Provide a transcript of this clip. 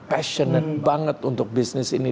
passionate banget untuk bisnis ini